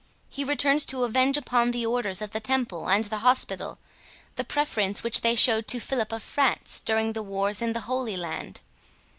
He returns to avenge upon the Orders of the Temple and the Hospital, the preference which they showed to Philip of France during the wars in the Holy Land.